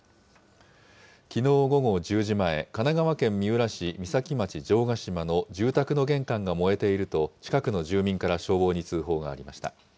きのう午後１０時前、神奈川県三浦市三崎町城ヶ島の住宅の玄関が燃えていると近くの住民から消防に通報がありました。